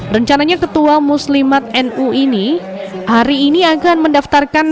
rencananya ketua muslimat nu ini hari ini akan mendaftarkan